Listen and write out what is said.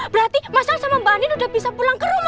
berarti mas al sama mbak andin udah bisa pulang ke rumah tuh